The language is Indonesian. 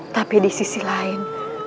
tapi di sisi lain